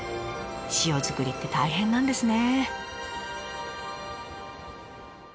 塩作りって大変なんですね。